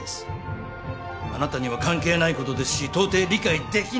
あなたには関係ないことですしとうてい理解できない。